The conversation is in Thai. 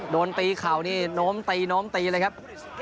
โดนตีเข่านี่โน้มตีโน้มตีเลยครับ